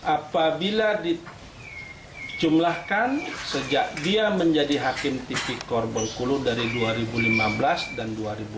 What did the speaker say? apabila dicumlahkan sejak dia menjadi hakim tipikor bengkulu dari dua ribu lima belas dan dua ribu lima belas